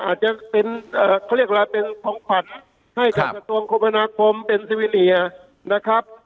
อาจจะเป็นเขาเรียกอะไรเป็นของขวัญให้กับกระทรวงคมพนาคมเป็นซีวิเนียนะครับ